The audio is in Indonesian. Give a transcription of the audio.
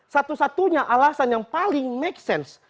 satu satunya alasan yang paling make sense